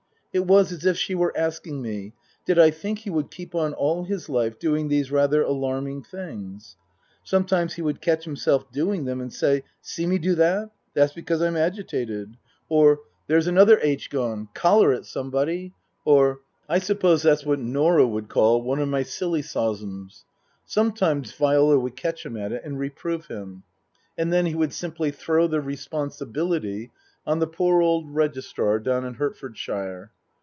It was as if she were asking me, Did I think he would keep on all his life doing these rather alarming things ? Some times he would catch himself doing them and say, " See me do that ? That's because I'm agitated." Or, " There's 172 Tasker Jevons another aitch gone. Collar it, somebody." Or, " I suppose that's what Norah would call one of my sillysosms." Sometimes Viola would catch him at it and reprove him. And then he would simply throw the responsibility on the poor old Registrar down in Hertfordshire.